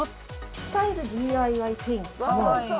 スタイルＤＩＹペンキ。